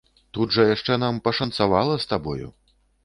Тут жа яшчэ нам пашанцавала з табою.